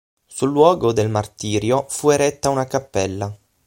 Sul luogo del martirio fu eretta una cappella.